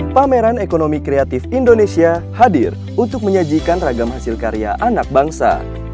pameran ekonomi kreatif indonesia hadir untuk menyajikan ragam hasil karya anak bangsa